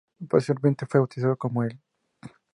Posteriormente, fue bautizado como E!